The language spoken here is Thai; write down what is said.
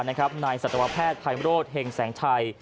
ในสัตวแพทย์ไทม์โรดเฮงแสงชัย